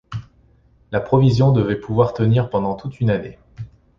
La provision devait pouvoir tenir pendant toute une année.